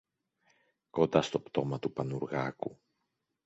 κοντά στο πτώμα του Πανουργάκου.